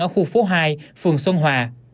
ở khu phố hai phường xuân hòa